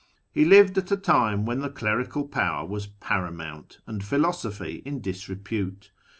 He lived at a time when the clerical power was paramount, and philosophy in disrepute.